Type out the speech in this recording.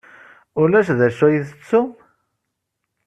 Ulac d acu ay tettum?